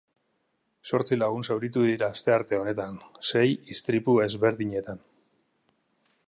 Zortzi lagun zauritu dira astearte honetan, sei istripu ezberdinetan.